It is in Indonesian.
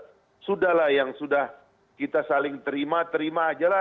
ya sudah lah yang sudah kita saling terima terima aja lah